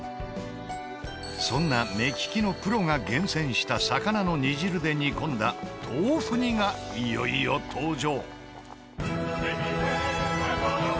そんな目利きのプロが厳選した魚の煮汁で煮込んだ豆腐煮がいよいよ登場。